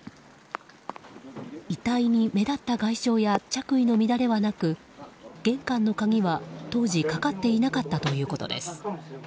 遺体に目立った外傷や着衣の乱れはなく玄関の鍵は当時かかっていなかったということです。